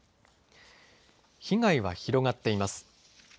被害は広がっています。